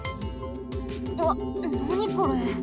うわっなにこれ？